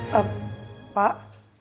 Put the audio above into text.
ya eh pak